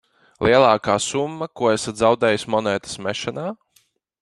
Lielākā summa, ko esat zaudējis monētas mešanā?